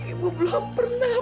ibu belom pernah menyusuinya pak